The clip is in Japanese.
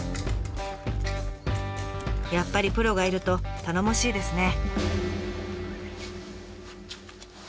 やっぱりプロがいると頼もしいですね。